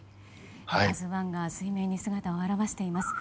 「ＫＡＺＵ１」が水面に姿を現しています。